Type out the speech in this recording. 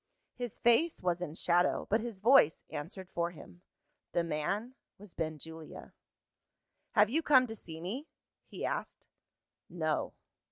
His face was in shadow, but his voice answered for him. The man was Benjulia. "Have you come to see me?" he asked. "No."